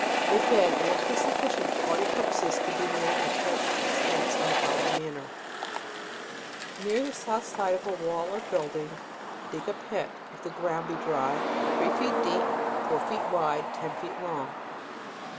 A bed amply sufficient for all your purposes can be made with trifling expense, in the following manner : Near the south side of a wall or building, dig a pit, (if the ground be dry) three feet deep, four feet wide, and ten feet long.